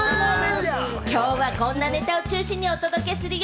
きょうはこんなネタを中心にお届けするよ！